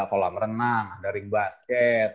kolam renang ada ring basket